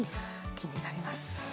気になります。